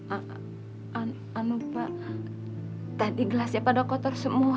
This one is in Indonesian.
aku lupa tadi gelasnya pada kotor semua